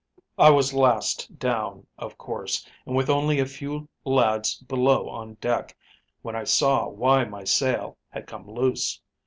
"I was last down, of course, and with only a few lads below on deck, when I saw why my sail had come loose.